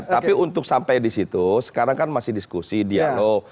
tapi untuk sampai di situ sekarang kan masih diskusi dialog